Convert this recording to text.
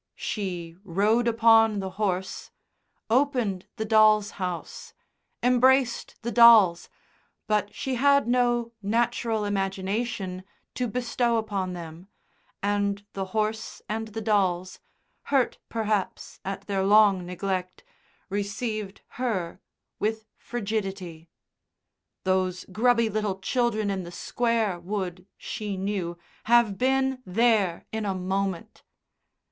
She rode upon the horse, opened the doll's house, embraced the dolls, but she had no natural imagination to bestow upon them, and the horse and the dolls, hurt, perhaps, at their long neglect, received her with frigidity. Those grubby little children in the Square would, she knew, have been "there" in a moment.